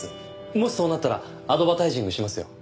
もしそうなったらアドバタイジングしますよ。